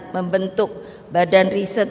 membentuk badan riset